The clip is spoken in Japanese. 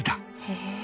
「へえ」